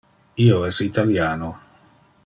Io es italiano.